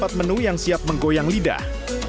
ada tiga puluh empat menu yang siap menggoyang lidah